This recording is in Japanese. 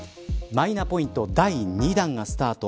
マイナポイント第２弾がスタート。